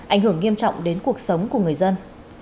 ảnh hưởng nghiêm trọng đến cuộc sống của người dân